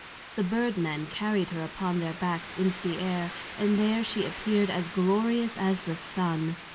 The Bird men carried her upon their backs into the Air, and there she appear'd as glorious as the Sun.